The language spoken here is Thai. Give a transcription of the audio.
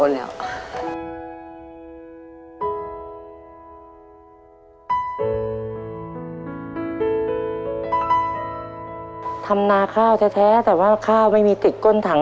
แต่ว่าข้าวไม่มีติกก้นถัง